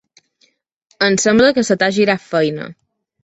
Em sembla que se t'ha girat feina.